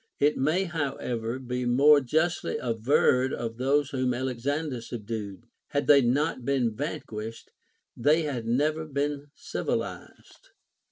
It may, however, be more justly averred of those whom xllexander subdued, had they not been vanquished, they had never been civilized.